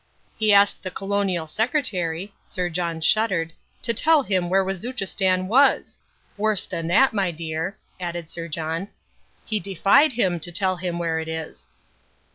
"He asked the Colonial Secretary" Sir John shuddered "to tell him where Wazuchistan is. Worse than that, my dear," added Sir John, "he defied him to tell him where it is."